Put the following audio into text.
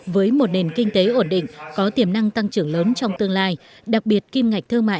với một nền kinh tế ổn định có tiềm năng tăng trưởng lớn trong tương lai đặc biệt kim ngạch thương mại